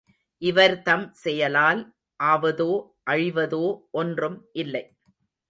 இவர்தம் செயலால் ஆவதோ, அழிவதோ ஒன்றும் இல்லை.